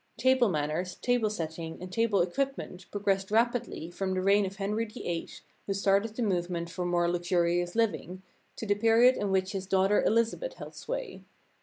Table manners, tablesetting, and table equipment progressed rapidly from the reign of Henry VIII, who started the movement for more luxurious living, to the period in which his daughter Elizabeth held sway.